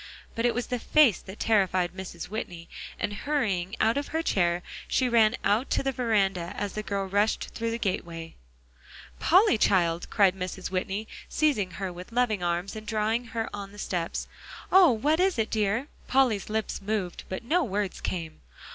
But it was the face that terrified Mrs. Whitney, and hurrying out of her chair, she ran out to the veranda as the girl rushed through the gateway. "Polly, child," cried Mrs. Whitney, seizing her with loving arms and drawing her on the steps "oh! what is it, dear?" Polly's lips moved, but no words came.